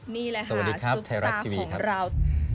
นี่แหละค่ะซุปตาของเรา